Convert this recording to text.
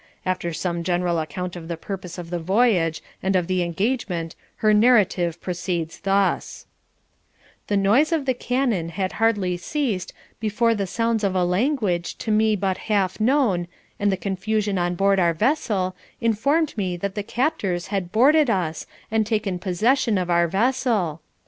After some general account of the purpose of the voyage and of the engagement her narrative proceeds thus: 'The noise of the cannon had hardly ceased before the sounds of a language to me but half known, and the confusion on board our vessel, informed me that the captors had boarded us and taken possession of our vessel.